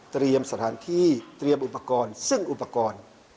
เตรียมสถานที่เตรียมอุปกรณ์ซึ่งอุปกรณ์